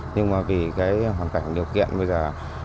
nhưng mà vì cái hoàn cảnh điều kiện bây giờ